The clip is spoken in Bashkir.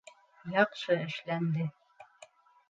— Яҡшы эшләнде!